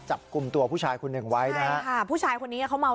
จับกุมตัวหัวแชวคุณหนึ่งไว้แบบฮาผู้ชายคนนี้เขาเมา